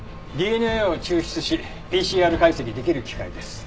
ＤＮＡを抽出しＰＣＲ解析できる機械です。